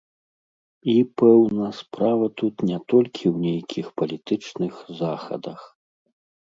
І, пэўна, справа тут не толькі ў нейкіх палітычных захадах.